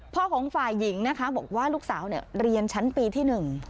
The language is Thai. ของฝ่ายหญิงนะคะบอกว่าลูกสาวเรียนชั้นปีที่๑